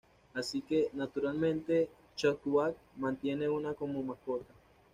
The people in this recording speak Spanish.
Así que, naturalmente, Shockwave mantiene una como mascota.